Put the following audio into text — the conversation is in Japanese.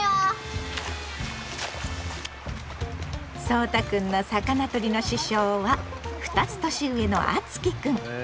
そうたくんの魚とりの師匠は２つ年上のあつきくん。